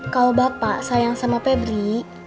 kalau bapak sayang sama pebri